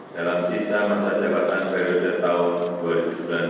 dalam sisa masa sejabatan periodik tahun dua ribu sembilan belas dua ribu dua puluh empat